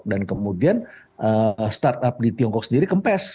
dan kemudian startup di tiongkok sendiri kempes